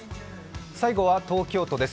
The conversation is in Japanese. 最後は東京都です。